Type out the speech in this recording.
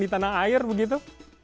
di tanah air begitu